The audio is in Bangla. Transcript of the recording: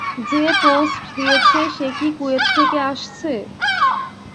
যে পোষ্ট দিয়েছে সে কি কুয়েত থেকে আসছে?